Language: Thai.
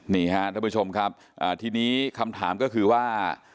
นี่ฮะท่านผู้ชมครับทีนี้คำถามก็คือว่า